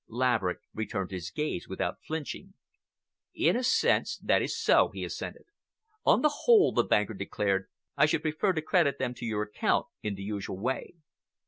Laverick returned his gaze without flinching. "In a sense, that is so," he assented. "On the whole," the banker declared, "I should prefer to credit them to your account in the usual way."